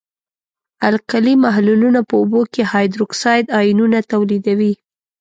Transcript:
القلي محلولونه په اوبو کې هایدروکساید آیونونه تولیدوي.